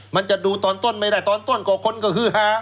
มันจะดูตอนต้นไม่ได้ตอนต้นกว่าคนก็คือฮา